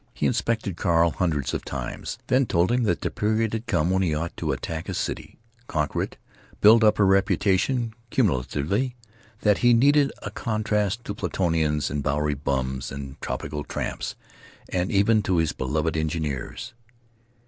He inspected Carl hundreds of times, then told him that the period had come when he ought to attack a city, conquer it, build up a reputation cumulatively; that he needed a contrast to Platonians and Bowery bums and tropical tramps, and even to his beloved engineers.